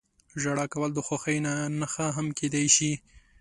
• ژړا کول د خوښۍ نښه هم کېدای شي.